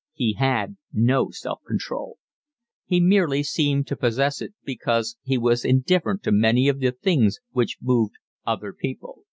He had no self control. He merely seemed to possess it because he was indifferent to many of the things which moved other people.